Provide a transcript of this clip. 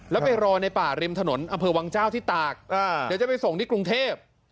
แล้วไปรอในป่าริมถนนอำเภอวังเจ้าที่ตากเดี๋ยวจะไปส่งที่กรุงเทพ